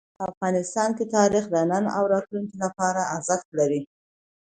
افغانستان کې تاریخ د نن او راتلونکي لپاره ارزښت لري.